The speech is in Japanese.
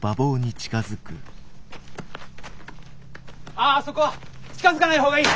ああそこ近づかない方がいい。